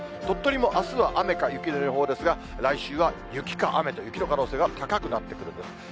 鳥取もあすは雨か雪の予報ですが、来週は雪か雨と、雪の可能性が高くなってくるんです。